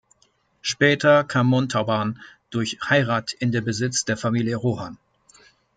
Später kam Montauban durch Heirat in den Besitz der Familie Rohan.